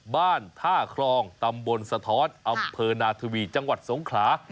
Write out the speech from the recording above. บ้านท่าครองตำบลสะท้อนอำเภอนาธวีจังหวัดสงขลา